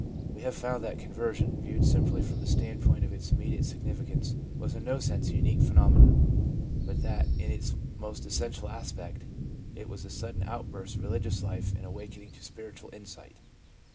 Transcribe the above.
We have found that conversion, viewed simply from the standpoint of its immediate significance, was in no sense a unique phenomenon, but that, in its most essential aspect, it was a sudden outburst of religious life and awakening to spiritual insight.